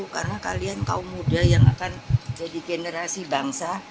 karena kalian kaum muda yang akan jadi generasi bangsa